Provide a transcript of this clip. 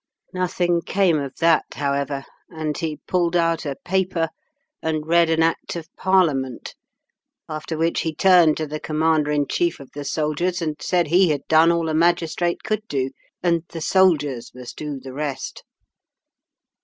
Nothing came of that, however, and he pulled out a paper, and read an Act of Parliament, after which he turned to the commander in chief of the soldiers, and said he had done all a magistrate could do, and the soldiers must do the rest.